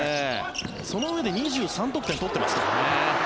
そのうえで２３得点取ってますからね。